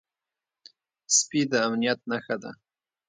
سپي د امنيت نښه ده.